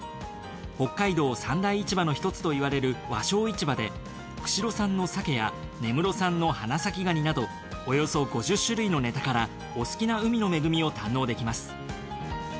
北海道三大市場の一つといわれる和商市場で釧路産の鮭や根室産の花咲蟹などおよそ５０種類のネタからお好きな海の恵みを堪能できます。